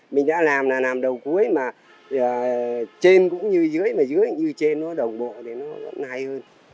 mình đã làm là năm đầu cuối mà trên cũng như dưới mà dưới cũng như trên nó đồng bộ thì nó hay hơn